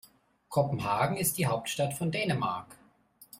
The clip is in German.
Kopenhagen ist die Hauptstadt von Dänemark.